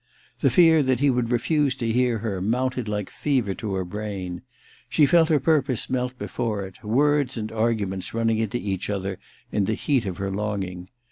The fear that he would refuse to hear her mounted like fever to her brain. She felt her purpose melt before it, words and arguments running into each other 228 THE RECKONING in in the heat of her longing.